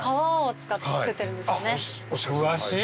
詳しい。